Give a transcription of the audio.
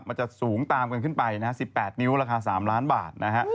มันจะสูงตามกันขึ้นไปนะฮะ๑๘นิ้วราคา๓ล้านบาทนะฮะ